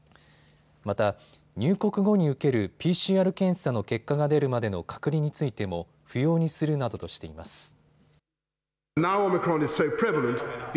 また入国後に受けるＰＣＲ検査の結果が出るまでの隔離についても不要にするなどとしています。